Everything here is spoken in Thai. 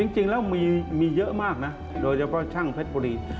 จริงแล้วมีเยอะมากนะโดยเฉพาะช่างเพชรบุรี